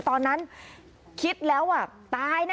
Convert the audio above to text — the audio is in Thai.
ตอนนั้นคิดแล้วว่า